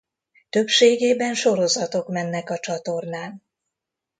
Többségében sorozatok mennek a csatornán.